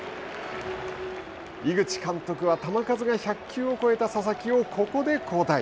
井口監督は球数が１００球を超えた佐々木をここで交代。